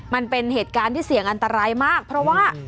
มันเป็นเหตุการณ์ที่เสี่ยงอันตรายมากเพราะว่า